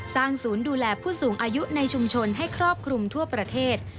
ศูนย์ดูแลผู้สูงอายุในชุมชนให้ครอบคลุมทั่วประเทศ